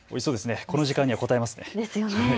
この時間にはこたえますね。